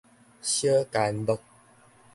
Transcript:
小干樂